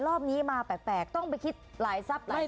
รอบนี้มาแปลกต้องไปคิดหลายทรัพย์หลาย